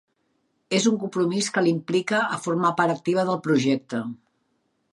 És un compromís que l'implica a formar part activa del projecte.